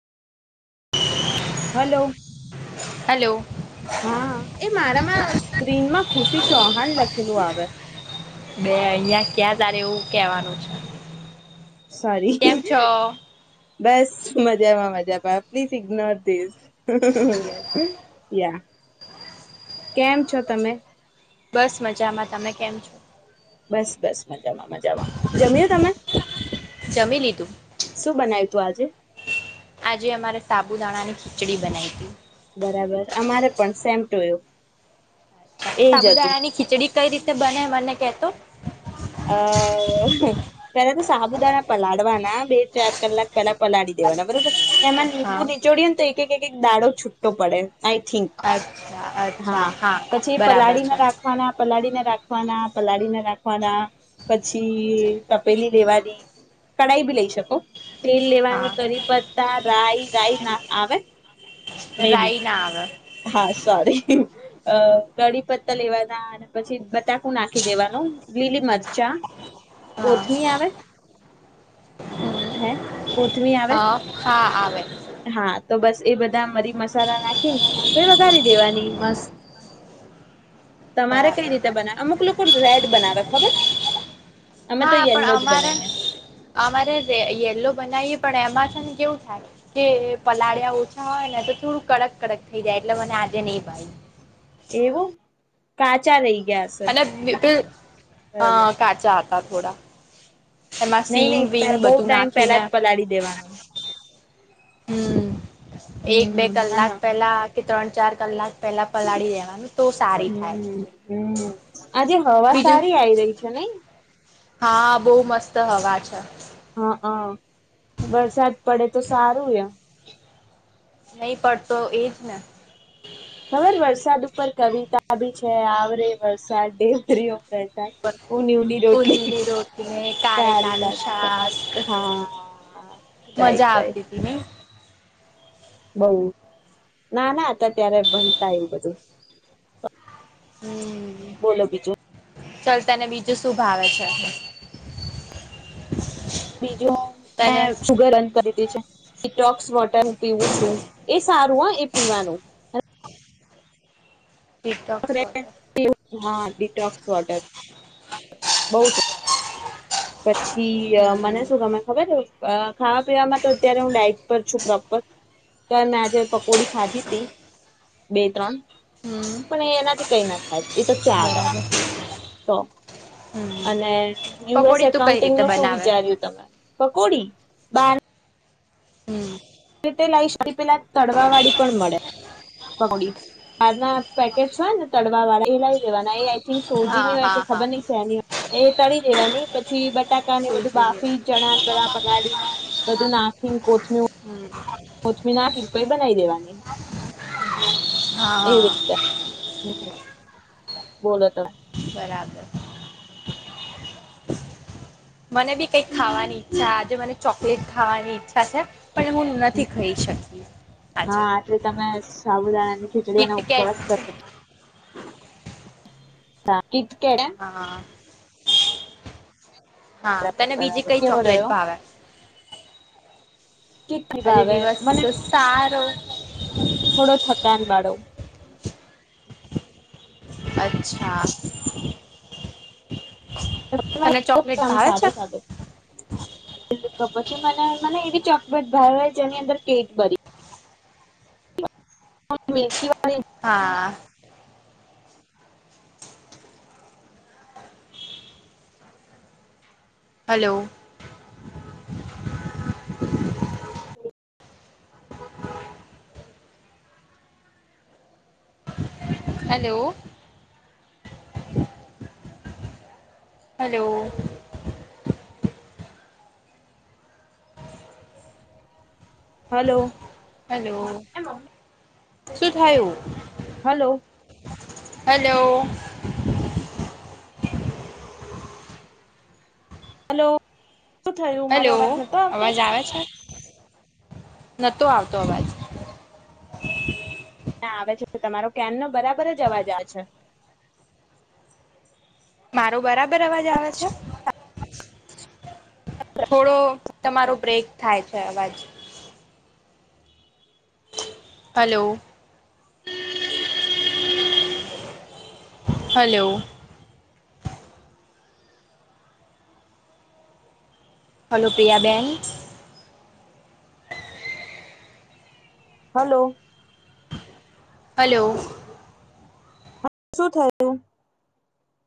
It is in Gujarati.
હલો હેલો હા એ મારામાં સ્ક્રીનમાં ખુશી ચૌહાણ લખેલું આવે બે અહિયાં ક્યાં તારે એવું કેવાનું છે. સારી કેમ છો બસ મજામાં મજા પ પ્લીઝ ઇગ્નોર ધીસ [unintelligible] યા કેમ છો તમે? બસ મજામાં તમે કેમ છો? બસ બસ મજામાં મજામાં જમ્યું તમે જમી લીધું શું બનાય્યું તું આજે? આજે અમારે સાબુદાણાની ખીચડી બનાવી હતી. બરાબર અમારે પણ સેમ ટૂ યું. સાબુદાણા ની ખીચડી કઈ રીતે બને મને કતો. હ ત્યારે તો સાહબુદા ના પલાડવાના બે ચાર કલાક પેલા પલાળી દેવાના બરોબર ના મ હા બું જોડડીયંત તો એક એક એક દાડો છૂટો પડે. આઈ થિંક અચ્છા અચ્છા હા પછી બરાબર પલાળીને છે રાખવાના પલાળીને રાખવાના પલાળી ના નાખવાના પછી તપેલી લેવાની કઢાઈ બી લઈ શકો તેલ હા લેવાનું કરી પત્તા રાય રાય ના આવે મે બી રાઈ ના આવે હા, સોરી અ કઢી પત્તા લેવાના અને પછી બટા નાખી દેવાનું, લીલી મરચાં, હા કોથમી આવે હે, કોથમી આવે હા હા આવે હા, તો બસ એ બધા મરી મસાલા નાખીને કરી દેવાની મસ્ત તમારે કઈ બરાબર રીતે બનાવે, અમુક લોકો રેડ બનાવે ખબર અમે તો હા પણ યેલ્લો જ અમારે બનાઈએ અમારે યલો બનાવીએ પણ એમાં છે કેવું થાય કે પલાળિયા ઓછા હોય ને તો થોડું કડક, કડક થઈ જાય એટલે મને આજે નઈ ભાયુ એવું કાચા રઈ અને [unintelligible] બરાબર હ કાચા [unintelligible] નહી સીંગ નહી પે વીંગ બહુ બધું ટાઈમ પેલા નાખીને જ પલાળી દેવાનો હમ્મ. એક બે હમ ના કલાક ના પેલા કે ત્રણ ચાર કલાક પહેલા પલાળી દેવાનું તો સારી થાય આજે હવા બીજું સારી આવી રહી છે નઈ હા બહુ મસ્ત ત હવા છે. હા વરસાદ પડે તો સારું [unintelligible] નહી પડતો એજ ને ખબર વરસાદ ઉપર કવિતા ભી છે આવરેે વરસાદ દેવતરીઓ ઉની ઉની રોટલી ને સારી કારેલાનું લાગે છે શાક હા રાઈટ મજા રાઈટ આવતી હતી ને. બઉ નાના હતા ત્યારે ભણતા એવું બધું. હમ્મ. બોલો બીજું? ચલતાને બીજું શું ભાવે છે? બીજું તને મેં શુગર બન કરીધી છે. ડીટોક્સ વોટર પીવું છું એ સારું હ એ પીવાનું. ટીકટોક ફોટો [inaudible] હા દીટોક વોટર. બુ છી મને હમ શું ગમે ખબર? ખાવા પીવામાં તો અત્યારે હું ડાઇટ પર છું પ્રોપર તો મેં આજે પકોડી ખાધી હતી બે ત્રણ. હમ પણ એ એનાથી કઈ ના એ તો ચાલ બરાબર તો હમ અને યુએસ પકોડી તું કઈ એકાઉન્ટિંગ રીતે નું શું બનાવે વિચાર્યું તમે પકોડી બાર હમ્મ. [unintelligible] તડવા વાળી પણ મળે [unintelligible] બાર ના પેકેટસ હોય ને તડવા વાળા એ લાય દેવાના. સોજી હા ની હોય કે હા હા ખબર નઈ સેની હોય એ તળ દેવાની પછી બટાકા ને બધું સુજી બાફી ચણા બણા પલાળીને બધું નાખીને કોથમ હમ નાખી ને પહિ બનાવી દેવાની હા એવી રીતે બોલોત બરાબર! મને બી કઈ ખાવાની ઈચ્છા, આજે મને ચોકલેટ ખાવાની ઈચ્છા છે. પણ હું નથી ખાઈ શકી હા! આજે આટલી તમે સાબુદાણાની ખીચડીનો કિટકેટ ઉપવાસ કર [inaudible] તા કીટ કેણે હા હા! તને બીજી બરાબર કઈ કેવો રહ્યો ચોકલેટ ભાવે? [inaudible] કે આજે ભાવે દિવસ મને સારો થોડો થકાન વાળો અચ્છા! તને ચોકલેટ [inaudible] આમ ભાવે સાદો છે સાદો [inaudible] કપ પછી મને મને એવી ચોકલેટ ભાવે જેની અંદર કેકબરી [inaudible] કી વા હાઆઆ! હલો! બ [unintelligible] હેલો! હલો! હલો? હેલો! શું થયું? Hello hello? હલો? શું થયું મારો હેલો! અવાજ નતો આવતો અવાજ આવે છે? નતો આવતો અવાજ. ના આવે છે. તો તમારો કેરનો બરાબર જ અવાજ આવે છે. મારો બરાબર અવાજ આવે છે.? થોડો તમારો બ્રેક થાય છે. અવાજ, હલો! હલો! હલો પિયા બેન્ડ? હલો? હલો? શું થયુ?